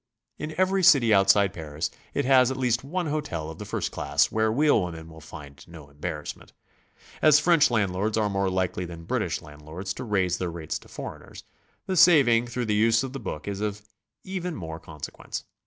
In every city outside Paris it has at least one hotel of the first class, where wheel women will find no embarrassmen't. As French landlords are more likely than British landlords to raise their rates to foreigners, the saving through the use of the book is of even more consequence.